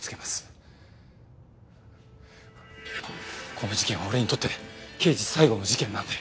この事件は俺にとって刑事最後の事件なんで。